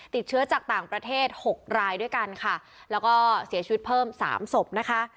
ติดเชื้อจากต่างประเทศหกรายด้วยกันค่ะแล้วก็เสียชีวิตเพิ่มสามศพนะคะ